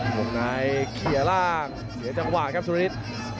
หลวงนายเคลียร์ล่างเสียจังหวะครับสุรธิต